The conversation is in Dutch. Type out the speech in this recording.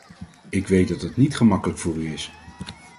Ik weet dat het niet gemakkelijk voor u is.